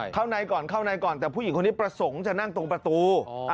เข้าในก่อนเข้าในก่อนแต่ผู้หญิงคนนี้ประสงค์จะนั่งตรงประตู